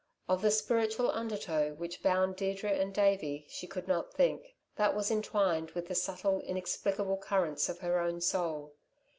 Of the spiritual undertow which bound Deirdre and Davey, she could not think. That was entwined with the subtle, inexplicable currents of her own soul.